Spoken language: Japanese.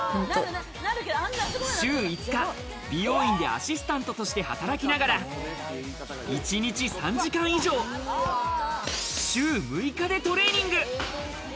週５日、美容院でアシスタントとして働きながら、一日３時間以上、週６日でトレーニング。